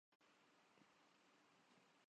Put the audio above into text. آزمائش میں کتنے سرخرو نکل رہے ہیں۔